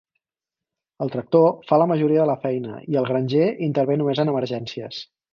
El tractor fa la majoria de la feina i el granger intervé només en emergències.